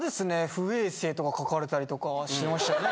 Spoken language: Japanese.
不衛生とか書かれたりとかしましたね。